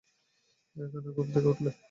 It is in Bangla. এখনই ঘুম থেকে উঠলে?